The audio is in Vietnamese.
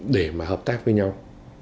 để mà hợp tác với nhau